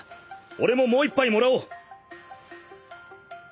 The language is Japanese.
俺ももう一杯もらおう。